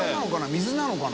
水なのかな？